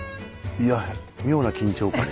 いや妙な緊張感が。